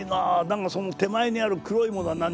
何かその手前にある黒いものは何じゃ？